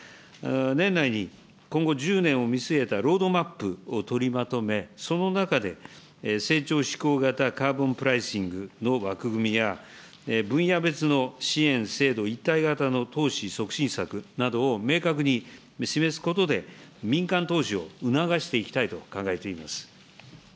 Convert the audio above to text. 年内に、今後１０年を見据えたロードマップを取りまとめ、その中で成長志向型カーボンプライシングの枠組みや、分野別の支援、制度一体型の投資促進策などを明確に示すことで、民間投資を促していきたいと考えています。